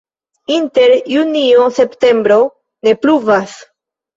Inter junio-septembro ne pluvas.